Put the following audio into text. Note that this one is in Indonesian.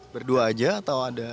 berdua aja atau ada